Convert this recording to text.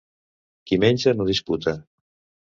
Qui menja no disputa.